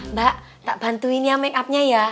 mbak tak bantuin ya make up nya ya